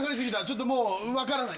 ちょっともうわからない。